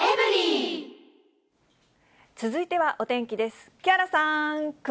続いてはお天気です。